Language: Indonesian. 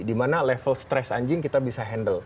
dimana level stress anjing kita bisa mengatasi